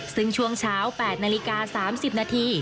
ซึ่งช่วงเช้า๘นาฬิกา๓๐นาที